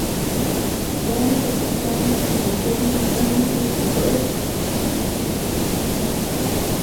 Se halla sepultado en el Cementerio de Saint Christopher en Liubliana.